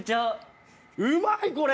うまいこれ！